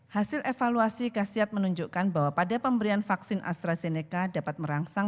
hasil evaluasi kasiat menunjukkan bahwa pada pemberian vaksin astrazeneca dapat merangsang